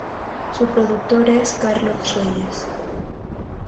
Su productor es Carlos Reyes.